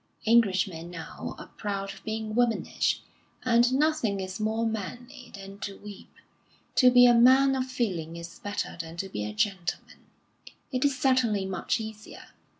Englishmen now are proud of being womanish, and nothing is more manly than to weep. To be a man of feeling is better than to be a gentleman it is certainly much easier.